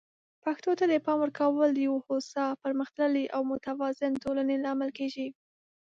پښتو ته د پام ورکول د یو هوسا، پرمختللي او متوازن ټولنې لامل کیږي.